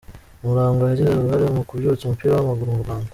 Murangwa yagize uruhare mu kubyutsa umupira w’amaguru mu Rwanda .